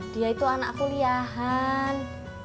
dia itu anak kuliahan